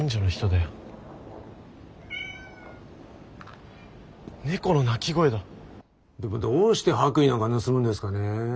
でもどうして白衣なんか盗むんですかね。